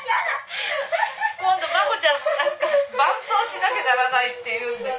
今度真子ちゃんなんか伴奏しなきゃならないっていうんで。